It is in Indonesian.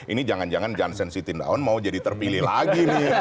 ini jangan jangan johnssen siti ndaon mau jadi terpilih lagi nih